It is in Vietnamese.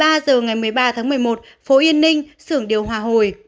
một mươi ba h ngày một mươi ba tháng một mươi một phố yên ninh sưởng điều hòa hồi